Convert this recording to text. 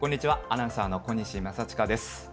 アナウンサーの小西政親です。